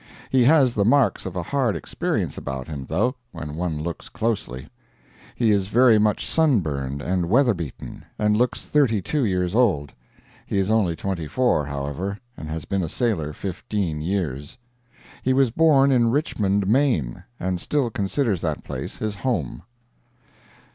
He has the marks of a hard experience about him though, when one looks closely. He is very much sunburned and weather beaten, and looks thirty two years old. He is only twenty four, however, and has been a sailor fifteen years. He was born in Richmond, Maine, and still considers that place his home.